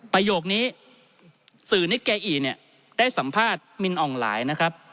ประโยคนี้สื่อนิเกอีเนี่ยได้สัมภาษณ์มินอ่องหลายนะครับ